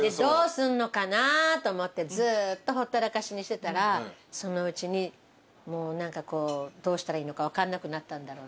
どうすんのかなぁと思ってずっとほったらかしにしてたらそのうちにどうしたらいいのか分かんなくなったんだろうね。